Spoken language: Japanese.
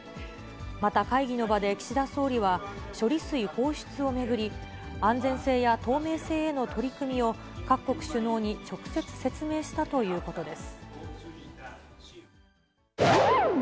また、会議の場で岸田総理は処理水放出を巡り、安全性や透明性への取り組みを各国首脳に直接説明したということです。